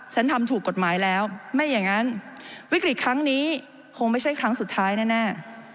ฉันทำถูกกฎหมายแล้วไม่อย่างนั้นวิกฤตครั้งนี้คงไม่ใช่ครั้งสุดท้ายแน่